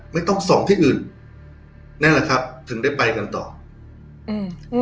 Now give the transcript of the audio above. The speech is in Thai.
ไม่ต้องส่องที่อื่นนั่นแหละครับถึงได้ไปกันต่ออืม